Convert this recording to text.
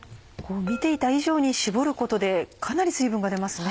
見ていた以上に絞ることでかなり水分が出ますね。